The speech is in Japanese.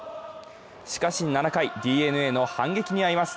しかし７回、ＤｅＮＡの反撃に遭います。